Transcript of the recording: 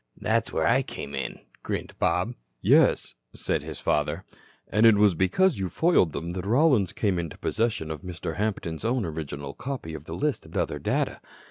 "That's where I came in," grinned Bob. "Yes," said his father, "and it was because you foiled them that Rollins came into possession of Mr. Hampton's own original copy of the list and other data.